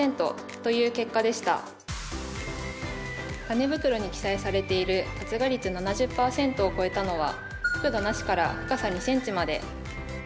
タネ袋に記載されている発芽率７０％を超えたのは覆土なしから深さ２ｃｍまで。